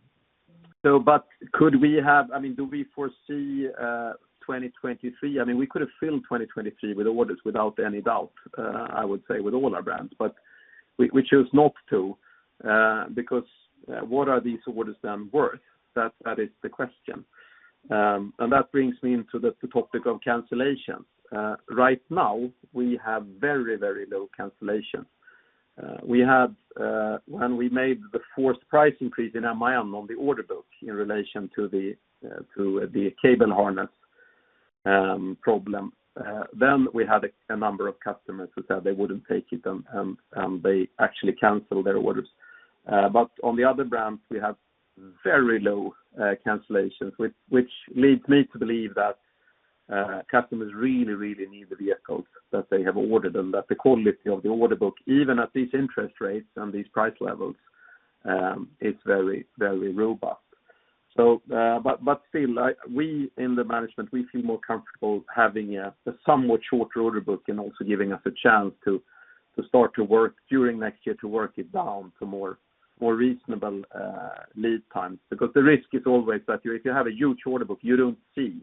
Speaker 3: do we foresee 2023? I mean, we could have filled 2023 with orders without any doubt, I would say, with all our brands. We choose not to because what are these orders then worth? That is the question. That brings me into the topic of cancellations. Right now we have very, very low cancellations. We had, when we made the fourth price increase in MAN on the order book in relation to the cable harness problem, then we had a number of customers who said they wouldn't take it and they actually canceled their orders. On the other brands, we have very low cancellations, which leads me to believe that customers really need the vehicles that they have ordered and that the quality of the order book, even at these interest rates and these price levels, is very robust. Still, we in the management feel more comfortable having a somewhat shorter order book and also giving us a chance to start to work during next year to work it down to more reasonable lead times. Because the risk is always that you, if you have a huge order book, you don't see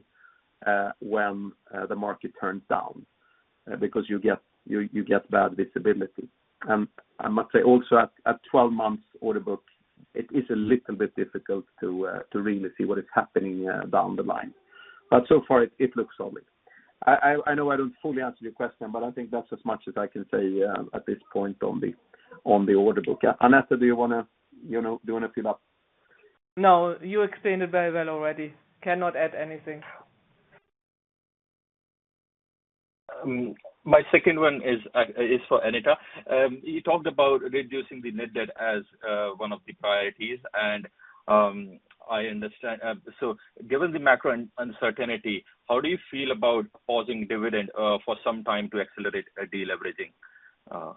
Speaker 3: when the market turns down because you get bad visibility. I must say also at 12 months order book, it is a little bit difficult to really see what is happening down the line. So far it looks solid. I know I don't fully answer your question, but I think that's as much as I can say at this point on the order book. Annette, do you wanna, you know, fill up?
Speaker 4: No, you explained it very well already. I cannot add anything.
Speaker 7: My second one is for Annette. You talked about reducing the net debt as one of the priorities, and I understand. Given the macro uncertainty, how do you feel about pausing dividend for some time to accelerate deleveraging?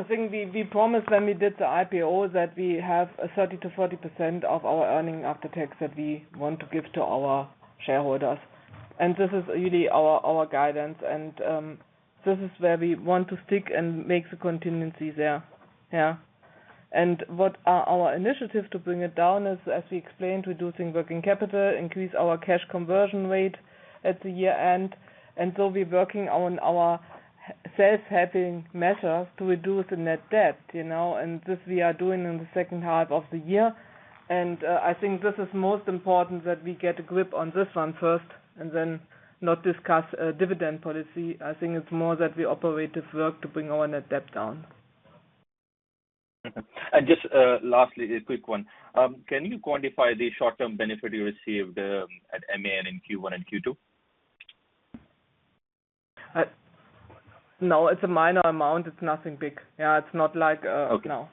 Speaker 4: I think we promised when we did the IPO that we have a 30%-40% of our earnings after tax that we want to give to our shareholders. This is really our guidance and this is where we want to stick and make the contingency there. Yeah. What are our initiatives to bring it down is, as we explained, reducing working capital, increase our cash conversion rate at the year-end. We're working on our self-helping measures to reduce the net debt, you know, and this we are doing in the second half of the year. I think this is most important that we get a grip on this one first and then not discuss a dividend policy. I think it's more that we operate this work to bring our net debt down.
Speaker 7: Okay. Just lastly, a quick one. Can you quantify the short-term benefit you received at MAN in Q1 and Q2?
Speaker 4: No, it's a minor amount. It's nothing big. Yeah. It's not like-
Speaker 7: Okay.
Speaker 4: No.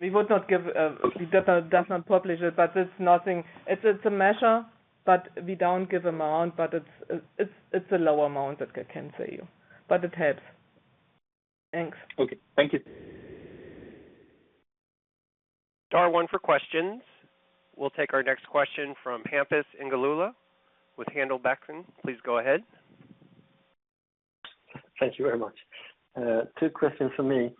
Speaker 4: We would not give-
Speaker 7: Okay....
Speaker 4: We definitely do not publish it, but it's nothing. It's a measure, but we don't give amount, but it's a low amount that I can say you. But it helps. Thanks.
Speaker 7: Okay. Thank you.
Speaker 1: Star one for questions. We'll take our next question from Hampus Engellau with Handelsbanken. Please go ahead.
Speaker 8: Thank you very much. Two questions from me.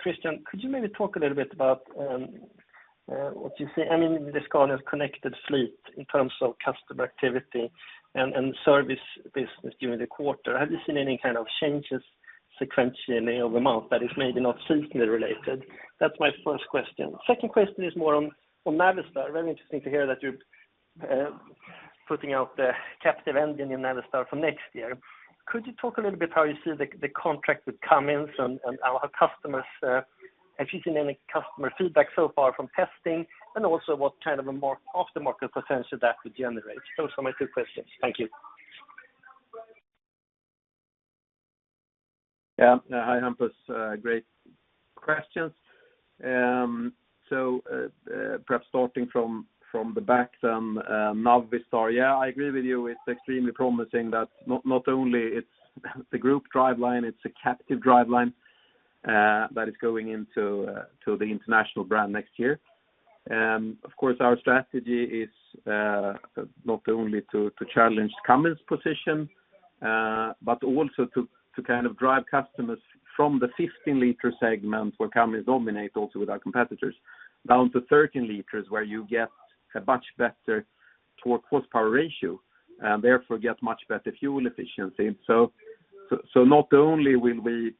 Speaker 8: Christian, could you maybe talk a little bit about what you see, I mean, the Scania's connected fleet in terms of customer activity and service business during the quarter. Have you seen any kind of changes sequentially over month that is maybe not seasonally related? That's my first question. Second question is more on Navistar. Very interesting to hear that you're putting out the captive engine in Navistar for next year. Could you talk a little bit how you see the contract with Cummins and our customers. Have you seen any customer feedback so far from testing? Also, what kind of a aftermarket potential that would generate? Those are my two questions. Thank you.
Speaker 3: Hi, Hampus, great questions. Perhaps starting from the back then, Navistar. I agree with you. It's extremely promising that not only it's the group driveline, it's a captive driveline, that is going into to the International brand next year. Of course, our strategy is not only to challenge Cummins' position, but also to kind of drive customers from the 15-liter segment where Cummins dominate also with our competitors, down to 13 liters, where you get a much better torque-horsepower ratio, therefore get much better fuel efficiency. Not only will we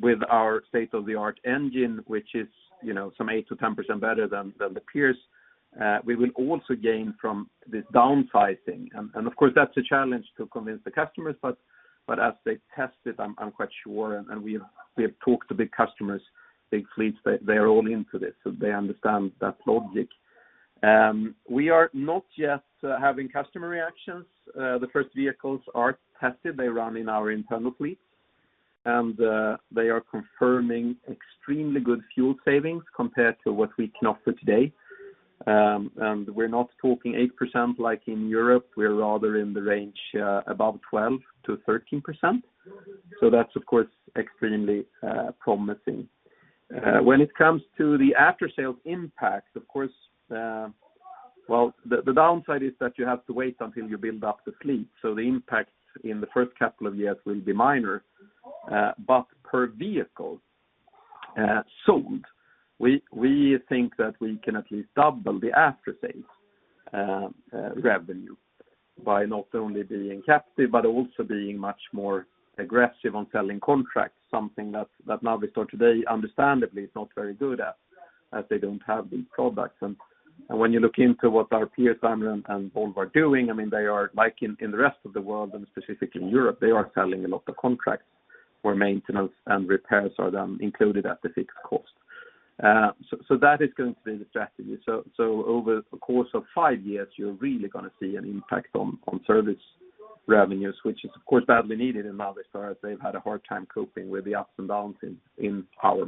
Speaker 3: with our state-of-the-art engine, which is, you know, some 8%-10% better than the peers, we will also gain from this downsizing. Of course, that's a challenge to convince the customers, but as they test it, I'm quite sure, and we have talked to big customers, big fleets. They're all into this, so they understand that logic. We are not yet having customer reactions. The first vehicles are tested. They run in our internal fleet, and they are confirming extremely good fuel savings compared to what we can offer today. We're not talking 8% like in Europe. We're rather in the range above 12%-13%. That's, of course, extremely promising. When it comes to the after-sales impact, of course, well, the downside is that you have to wait until you build up the fleet, so the impact in the first couple of years will be minor. Per vehicle sold, we think that we can at least double the after-sales revenue by not only being captive but also being much more aggressive on selling contracts, something that Navistar today understandably is not very good at, as they don't have these products. When you look into what our peers, Daimler Truck and Volvo, are doing, I mean, they are like in the rest of the world and specifically in Europe, they are selling a lot of contracts where maintenance and repairs are included at a fixed cost. That is going to be the strategy. Over the course of five years, you're really gonna see an impact on service revenues, which is of course badly needed in Navistar, as they've had a hard time coping with the ups and downs in our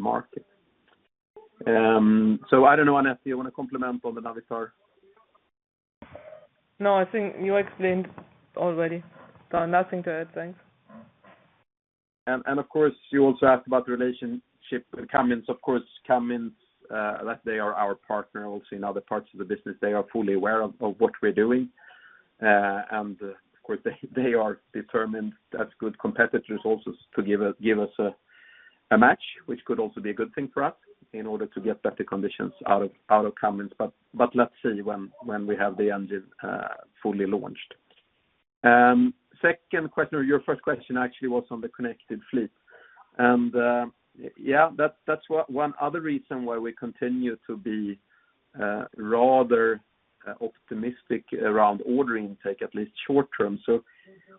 Speaker 3: market. I don't know, Annette, you want to comment on Navistar?
Speaker 4: No, I think you explained already. Nothing to add. Thanks.
Speaker 3: Of course, you also asked about the relationship with Cummins. Of course, Cummins, like they are our partner also in other parts of the business, they are fully aware of what we're doing. Of course, they are determined as good competitors also to give us a match, which could also be a good thing for us in order to get better conditions out of Cummins. Let's see when we have the engine fully launched. Second question or your first question actually was on the connected fleet. Yeah, that's one other reason why we continue to be rather optimistic around ordering intake, at least short-term.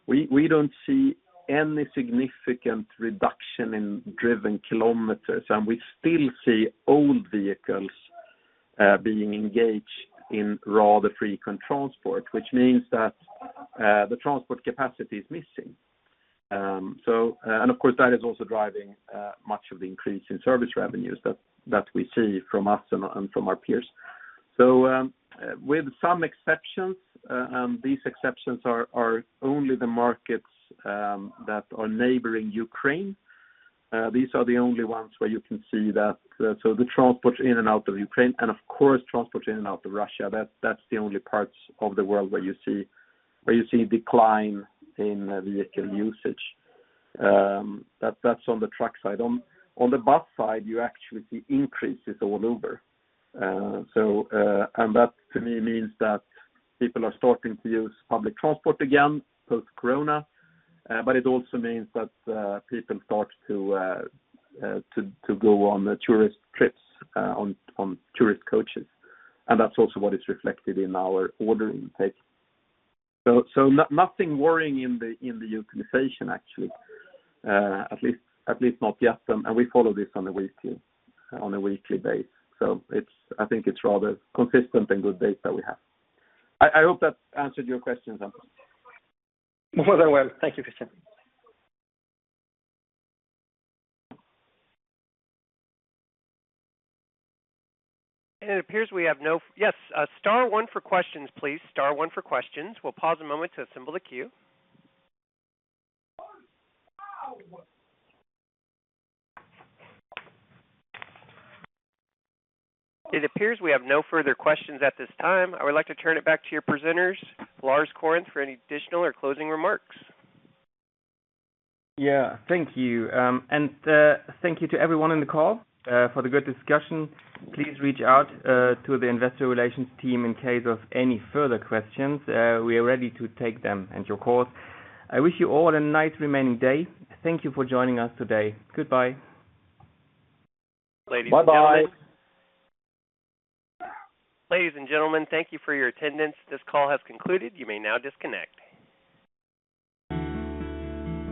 Speaker 3: We don't see any significant reduction in driven kilometers, and we still see old vehicles being engaged in rather frequent transport, which means that the transport capacity is missing. And of course, that is also driving much of the increase in service revenues that we see from us and from our peers. With some exceptions, these exceptions are only the markets that are neighboring Ukraine. These are the only ones where you can see that. The transport in and out of Ukraine and, of course, transport in and out of Russia, that's the only parts of the world where you see decline in vehicle usage. That's on the truck side. On the bus side, you actually see increases all over. That to me means that people are starting to use public transport again post-corona. It also means that people start to go on tourist trips on tourist coaches, and that's also what is reflected in our order intake. Nothing worrying in the utilization, actually. At least not yet. We follow this on a weekly basis. I think it's rather consistent and good data we have. I hope that answered your questions, Hampus.
Speaker 8: More than well. Thank you, Christian.
Speaker 1: It appears we have no... Yes, star one for questions, please. Star one for questions. We'll pause a moment to assemble the queue. It appears we have no further questions at this time. I would like to turn it back to your presenters, Lars Korinth, for any additional or closing remarks.
Speaker 2: Yeah. Thank you. Thank you to everyone on the call for the good discussion. Please reach out to the Investor Relations team in case of any further questions. We are ready to take them and your calls. I wish you all a nice remaining day. Thank you for joining us today. Goodbye.
Speaker 3: Bye-bye.
Speaker 1: Ladies and gentlemen. Ladies and gentlemen, thank you for your attendance. This call has concluded. You may now disconnect.